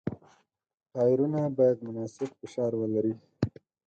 ټایرونه باید مناسب فشار ولري.